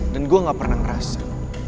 dan gue gak pernah ngerasa